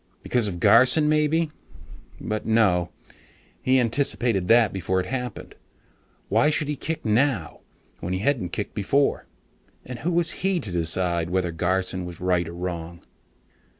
Because of Garson maybe? But no, hadn't he anticipated that before it happened? Why should he kick now, when he hadn't kicked before? And who was he to decide whether Garson was right or wrong?